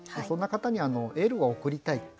そんな方にエールを送りたい。